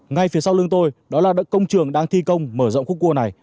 ngay phía sau lưng tôi đó là công trường đang thi công mở rộng khúc cua này